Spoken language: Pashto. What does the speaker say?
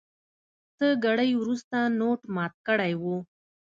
څه ګړی وروسته نوټ مات کړی و.